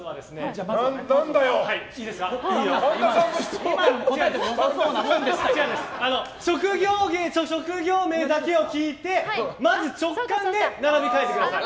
あの、職業名だけを聞いてまず直感で並び替えてください。